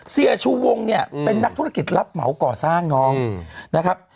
ชูวงเนี่ยเป็นนักธุรกิจรับเหมาก่อสร้างน้องนะครับ